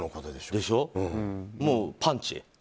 もうパンチ？